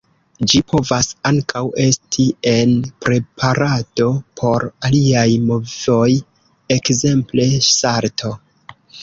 Ĝi povas ankaŭ esti en preparado por aliaj movoj, ekzemple salto.